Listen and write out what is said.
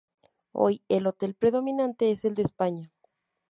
Hoy, el hotel predominante es el de España.